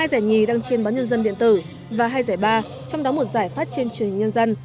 hai giải nhì đăng trên báo nhân dân điện tử và hai giải ba trong đó một giải pháp trên truyền hình nhân dân